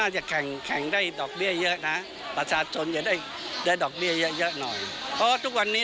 จะแข่งแข่งได้ดอกเบี้ยเยอะนะประชาชนจะได้ได้ดอกเบี้ยเยอะหน่อยเพราะว่าทุกวันนี้